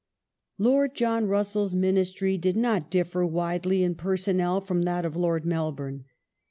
Lord John Lord John Russell's Ministry did not differ widely in personnel M'?nist%^ from that of Lord Melbourne.